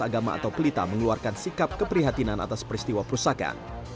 agama atau pelita mengeluarkan sikap keprihatinan atas peristiwa perusakan